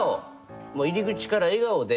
もう入り口から笑顔で。